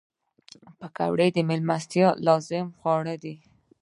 پکورې د میلمستیا یو لازمي خواړه دي